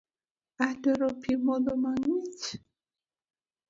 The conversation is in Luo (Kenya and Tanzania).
Adwaro pii modho mang'ich